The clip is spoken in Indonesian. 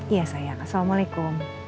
iya sayang assalamualaikum